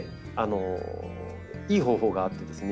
いい方法があってですね